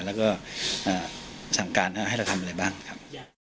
แล้วก็สั่งการให้เราทำอะไรบ้างครับ